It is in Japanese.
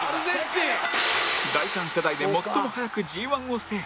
第三世代で最も早く Ｇ１ を制覇